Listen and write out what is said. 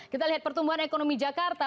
kita lihat pertumbuhan ekonomi jakarta